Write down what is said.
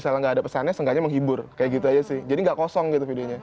misalnya nggak ada pesannya seenggaknya menghibur kayak gitu aja sih jadi gak kosong gitu videonya